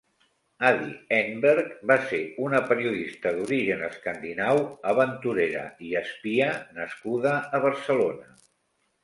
Adi Enberg va ser una periodista d'origen escandinau, aventurera i espia nascuda a Barcelona.